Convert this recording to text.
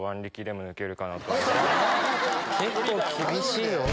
結構厳しいよ。